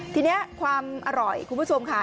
ทีนี้ความอร่อยคุณผู้ชมค่ะ